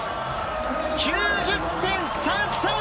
９０．３３！